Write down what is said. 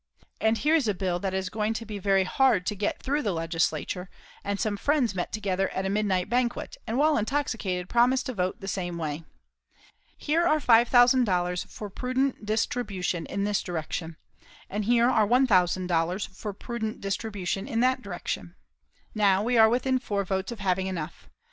And here is a bill that is going to be very hard to get through the Legislature, and some friends met together at a midnight banquet, and while intoxicated promised to vote the same way. Here are $5,000 for prudent distribution in this direction, and here are $1,000 for prudent distribution in that direction. Now, we are within four votes of having enough.